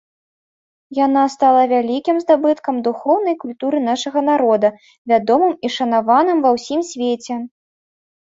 Яна стала вялікім здабыткам духоўнай культуры нашага народа, вядомым і шанаваным ва ўсім свеце.